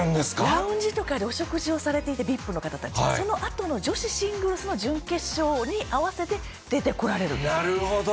ラウンジとかでお食事をされていて、ＶＩＰの方たち、そのあとの女子シングルスの準決勝に合わせて出てこられるんですなるほど。